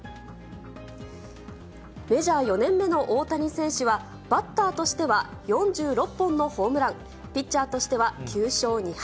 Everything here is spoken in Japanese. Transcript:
メジャー４年目の大谷選手は、バッターとしては４６本のホームラン、ピッチャーとしては９勝２敗。